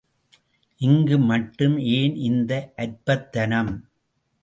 இங்கு மட்டும் ஏன் இந்த அற்பத்தனம்!